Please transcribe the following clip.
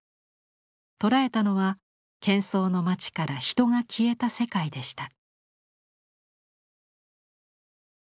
捉えたのはけん騒の町から人が消えた世界でした。